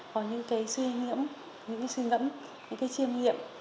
có những cái suy nghĩ những suy nghĩ những cái chiêm nghiệm